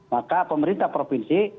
maka pemerintah provinsi